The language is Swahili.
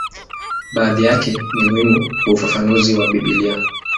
Baadhi yake ni muhimu kwa ufafanuzi wa Biblia.